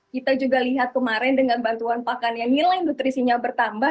kita juga lihat kemarin dengan bantuan pakan yang nilai nutrisinya bertambah